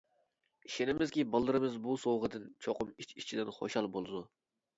ئىشىنىمىزكى بالىلىرىمىز بۇ سوۋغىدىن چوقۇم ئىچ-ئىچىدىن خۇشال بولىدۇ.